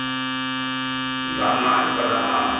いかんなあ下手だなあ。